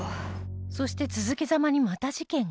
そして続けざまにまた事件が